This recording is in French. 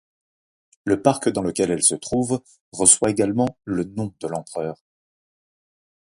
Le parc dans lequel elle se trouve reçoit également le nom de l’empereur.